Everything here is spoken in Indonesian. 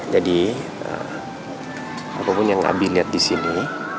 jadi apapun yang abi lihat di sini